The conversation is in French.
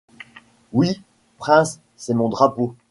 Oui, prince, c'est mon drapeau.